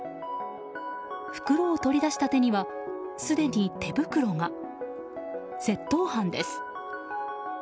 袋を取り出した手にはすでに手袋が。窃盗犯です。